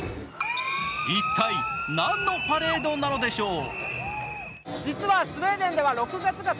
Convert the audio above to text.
一体何のパレードなのでしょう。